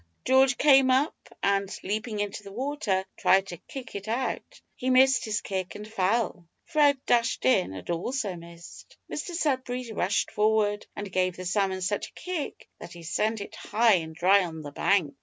George came up, and leaping into the water tried to kick it out. He missed his kick and fell. Fred dashed in, and also missed. Mr Sudberry rushed forward and gave the salmon such a kick that he sent it high and dry on the bank!